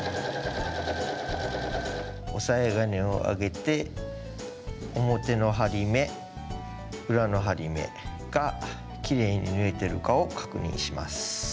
押さえ金を上げて表の針目裏の針目がきれいに縫えてるかを確認します。